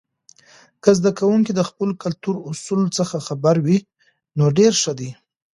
که زده کوونکي د خپلو کلتور اصولو څخه خبر وي، نو ډیر ښه دی.